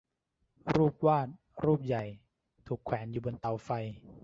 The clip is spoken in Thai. รูปวาดรูปใหญ่ถูกแขวนอยู่บนเตาไฟ